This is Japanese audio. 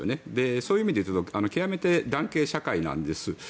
そういう意味で極めて男系社会なんです。